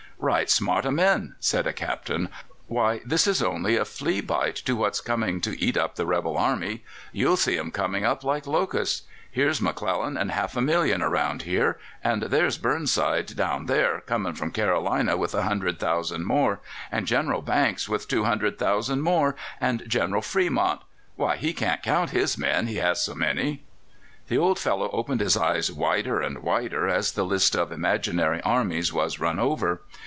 "'Right smart o' men!'" said a Captain. "Why, this is only a flea bite to what's coming to eat up the rebel army. You'll see them coming up like locusts. Here's McClellan with half a million around here, and there's Burnside down there, coming from Carolina with a hundred thousand more, and General Banks with two hundred thousand more, and General Fremont why, he can't count his men he has so many!" The old fellow opened his eyes wider and wider as the list of imaginary armies was run over.